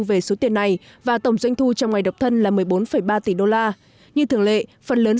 về số tiền này và tổng doanh thu trong ngày độc thân là một mươi bốn ba tỷ đô la như thường lệ phần lớn